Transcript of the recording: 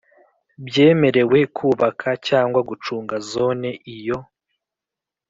byemerewe kubaka cyangwa gucunga Zone iyo